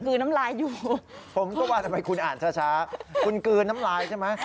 น้ำลายอยู่ผมก็ว่าทำไมคุณอ่านช้าคุณกลืนน้ำลายใช่ไหม